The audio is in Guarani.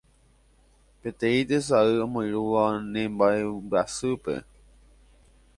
Peteĩ tesay omoirũva ne mba'embyasýpe